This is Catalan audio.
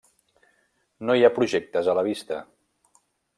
No hi ha projectes a la vista.